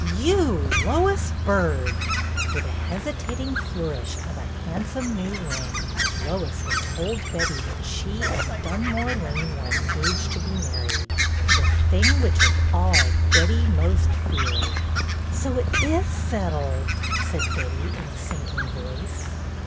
You, Lois Byrd 1 " With a hesitating flourish of a hand some new ring, Lois had told Betty that she and Dunmore Lane were engaged to be mar ried, the thing which of all Betty most feared. "So it is settled!'' said Betty, in a sinking voice.